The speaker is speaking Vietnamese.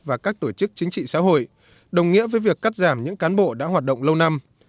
và các tổ chức chính trị xã hội đồng nghĩa với việc cắt giảm những cán bộ đã hoạt động lâu năm